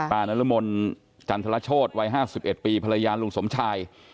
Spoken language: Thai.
นรมนจันทรโชธวัย๕๑ปีภรรยาลุงสมชาย